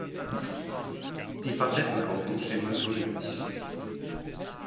Die Facettenaugen schimmern grünlich.